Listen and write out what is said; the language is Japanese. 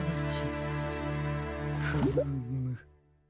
フーム。